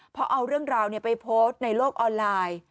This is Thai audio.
พอเอาเรื่องราวไปโพสต์ในโลกออนไลน์